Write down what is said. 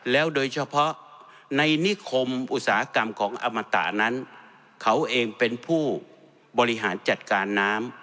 แล้วโดยเฉพาะในนิคมอุตสาหกรรมของอมตะนั้นเขาเองเป็นผู้บริหารจัดการน้ำ